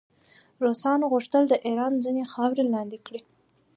روسانو غوښتل د ایران ځینې خاورې لاندې کړي.